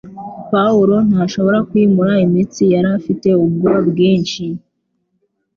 Pawulo ntashobora kwimura imitsi yari afite ubwoba bwinshi